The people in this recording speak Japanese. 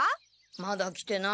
まだ来てない。